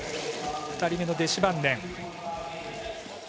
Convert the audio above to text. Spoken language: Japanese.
２人目のデシュバンデン。